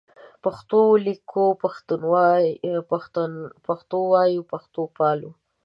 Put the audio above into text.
پښتو لیکو پښتو وایو پښتو پالو